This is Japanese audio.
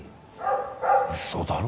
嘘だろ？